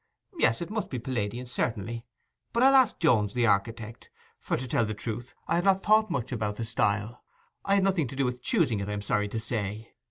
Yes, it must be Palladian, certainly. But I'll ask Jones, the architect; for, to tell the truth, I had not thought much about the style: I had nothing to do with choosing it, I am sorry to say.